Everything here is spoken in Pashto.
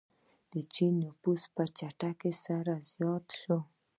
د چین نفوس په چټکۍ سره زیات شو.